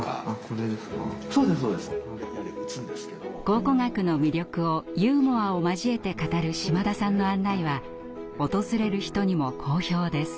考古学の魅力をユーモアを交えて語る島田さんの案内は訪れる人にも好評です。